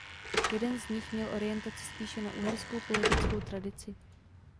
Jeden z nich měl orientaci spíše na uherskou politickou tradici.